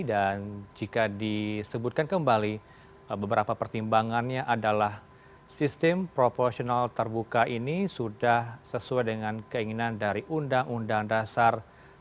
dan jika disebutkan kembali beberapa pertimbangannya adalah sistem proportional terbuka ini sudah sesuai dengan keinginan dari undang undang dasar seribu sembilan ratus empat puluh lima